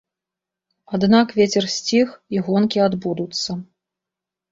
Аднак вецер сціх і гонкі адбудуцца.